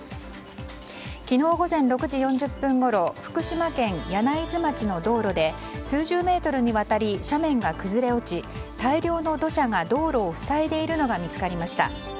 昨日午前６時４０分ごろ福島県柳津町の道路で数十メートルにわたり斜面が崩れ落ち大量の土砂が道路を塞いでいるのが見つかりました。